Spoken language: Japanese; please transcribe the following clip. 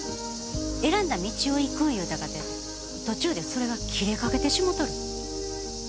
選んだ道を行くいうたかて途中でそれが切れかけてしもうとる。